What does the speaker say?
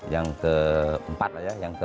yang keempatnya kita bikin